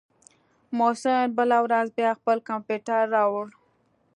محسن بله ورځ بيا خپل کمپيوټر راوړ.